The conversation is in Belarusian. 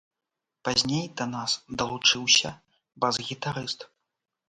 Пазней да нас далучыўся бас-гістарыст.